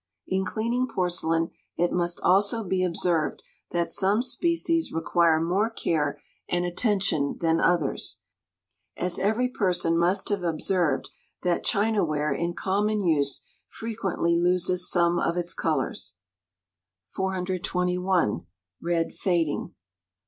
In cleaning porcelain, it must also be observed that some species require more care and attention than others, as every person must have observed that chinaware in common use frequently loses some of its colours. 421. Red Fading.